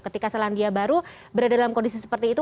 ketika selandia baru berada dalam kondisi seperti itu